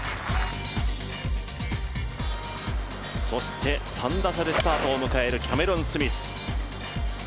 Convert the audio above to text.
そして３打差でスタートを迎えるキャメロン・スミス。